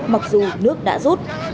mặc dù nước đã rút